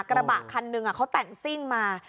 กระบะคันหนึ่งเขาแต่งซิ่งมา